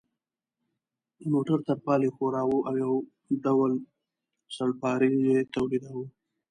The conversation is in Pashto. د موټر ترپال یې ښوراوه او یو ډول سړپاری یې تولیداوه.